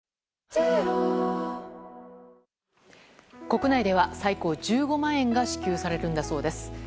国内では最高１５万円が支給されるんだそうです。